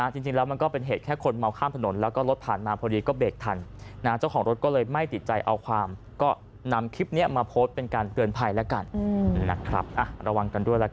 จริงแล้วมันก็เป็นเหตุแค่คนเมาข้ามถนน